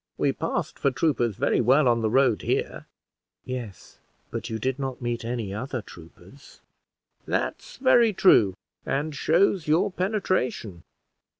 We passed for troopers very well on the road here." "Yes, but you did not meet any other troopers." "That's very true, and shows your penetration.